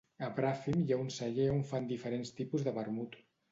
A Bràfim hi ha un celler on fan diferents tipus de vermut.